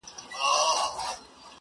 o او تاته زما د خپلولو په نيت.